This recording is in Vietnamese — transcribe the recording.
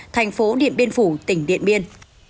thành phố điện biên phủ tỉnh điện biên